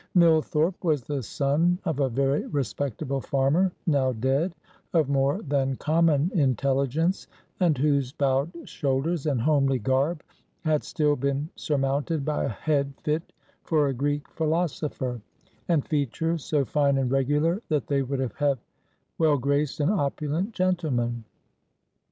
Millthorpe was the son of a very respectable farmer now dead of more than common intelligence, and whose bowed shoulders and homely garb had still been surmounted by a head fit for a Greek philosopher, and features so fine and regular that they would have well graced an opulent gentleman.